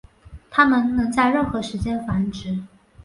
它们能在任何时间繁殖。